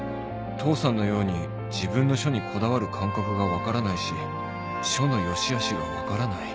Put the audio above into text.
父さんのように自分の書にこだわる感覚が分からないし書の良しあしが分からない